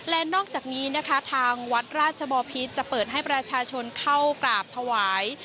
และนอกจากนี้นะคะทางวัดราชบอพิษจะเปิดให้ประชาชนเข้ากราบถวาย